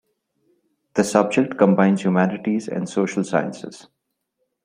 The subject combines humanities and social sciences.